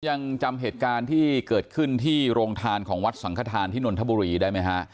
ยังจำเหตุการณ์ที่เกิดขึ้นที่โรงทานของวัดสังขทานที่นนทบุรีได้ไหมฮะ